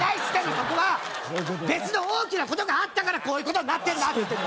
そこは別の大きなことがあったからこういうことになってんだ！